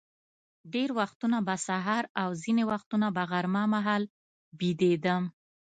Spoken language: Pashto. ډېر وختونه به سهار او ځینې وختونه به غرمه مهال بېدېدم.